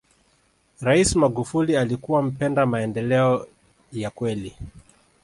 raisi magufuli alikuwa mpenda maendeleo ya kweli